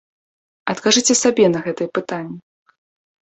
Адкажыце сабе на гэтыя пытанні.